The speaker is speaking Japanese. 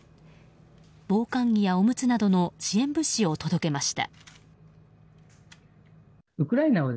防寒着やおむつなどの支援物資を届けました。